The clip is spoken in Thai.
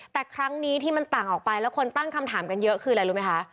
แต่ครั้งนี้ที่มันต่างออกไปแล้วคนตั้งคำถามกันเยอะคืออะไรรู้ไหมคะ